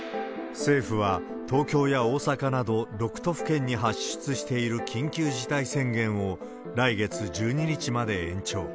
政府は、東京や大阪など６都府県に発出している緊急事態宣言を、来月１２日まで延長。